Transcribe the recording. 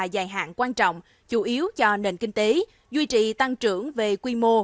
chính lược đã đưa ra mục tiêu rất quan trọng chủ yếu cho nền kinh tế duy trì tăng trưởng về quy mô